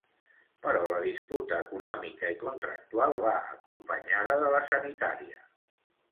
Però la disputa econòmica i contractual va acompanyada de la sanitària.